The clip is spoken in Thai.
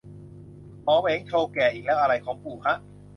หมอเหวงโชว์แก่อีกแล้ว อะไรของปู่ฮะ